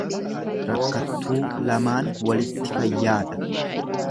Rakkattuu lamaan walitti fayyaadha.